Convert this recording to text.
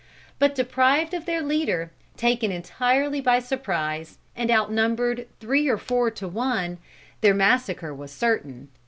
But deprived of their leader, taken entirely by surprise, and outnumbered three or four to one, their massacre was certain.